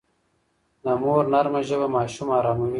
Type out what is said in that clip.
د مور نرمه ژبه ماشوم اراموي.